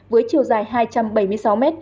với chiều dài hai trăm bảy mươi sáu m